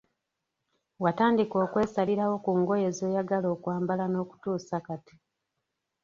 Watandika okwesalirawo ku ngoye zoyagala okwambala nokutuusa kati.